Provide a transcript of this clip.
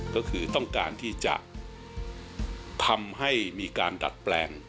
ก็คือต้องการที่จะทำให้มีการดัดแปลง